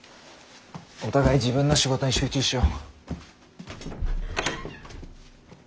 お互い自分の仕事に集中しよう。